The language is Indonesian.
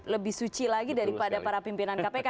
lebih suci lagi daripada para pimpinan kpk